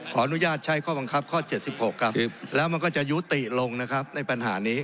ขออนุญาตใช้ข้อบังคับข้อ๗๖ครับแล้วมันก็จะยุติลงนะครับในปัญหานี้